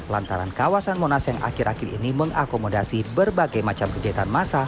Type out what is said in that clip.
lantaran kawasan monas yang akhir akhir ini mengakomodasi berbagai macam kegiatan massa